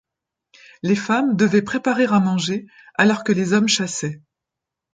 Les femmes devaient préparer à manger alors que les hommes chassaient.